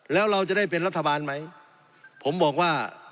แล้วเราจะได้เป็นรัฐบาลไหมผมบอกว่า